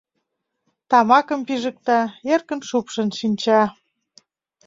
Тамакым пижыкта, эркын шупшын шинча.